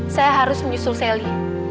saya harus menyusul sally